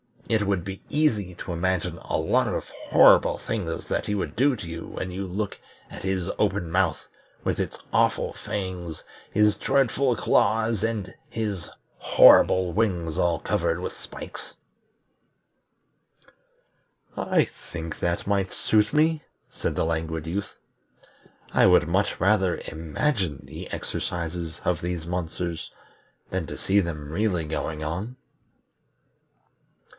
It would be easy to imagine a lot of horrible things he would do to you when you look at his open mouth with its awful fangs, his dreadful claws, and his horrible wings all covered with spikes." "I think that might suit me," said the Languid Youth. "I would much rather imagine the exercises of these monsters than to see them really going on."